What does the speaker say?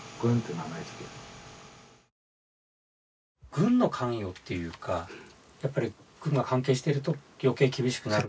軍の関与っていうかやっぱり軍が関係してると余計厳しくなると。